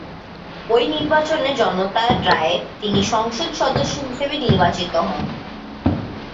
ঐ নির্বাচনে জনতার রায়ে তিনি 'সংসদ সদস্য' হিসেবে নির্বাচিত হন।